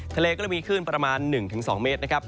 ทะเลก็จะมีขึ้นประมาณ๑๒เมตรนะครับ